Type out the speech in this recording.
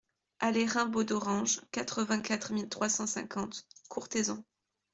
Allée Raimbaud d'Orange, quatre-vingt-quatre mille trois cent cinquante Courthézon